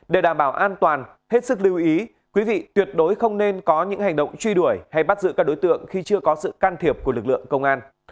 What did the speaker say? để đảm bảo an toàn hết sức lưu ý quý vị tuyệt đối không nên có những hành động truy đuổi hay bắt giữ các đối tượng khi chưa có sự can thiệp của lực lượng công an